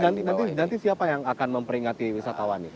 nanti siapa yang akan memperingati wisatawan